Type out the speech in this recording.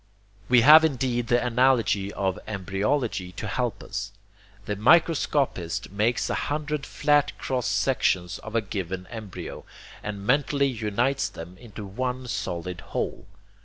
We have indeed the analogy of embryology to help us. The microscopist makes a hundred flat cross sections of a given embryo, and mentally unites them into one solid whole.